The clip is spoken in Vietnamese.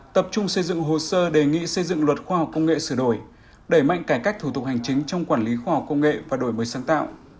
tập trung xây dựng hồ sơ đề nghị xây dựng luật khoa học công nghệ sửa đổi đẩy mạnh cải cách thủ tục hành chính trong quản lý khoa học công nghệ và đổi mới sáng tạo